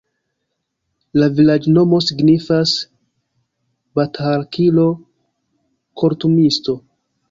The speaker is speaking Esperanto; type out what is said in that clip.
La vilaĝnomo signifas: batalhakilo-kortumisto.